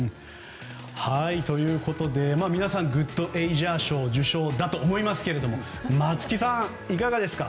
皆さんグッドエイジャー賞受賞だと思いますけれども松木さん、いかがですか？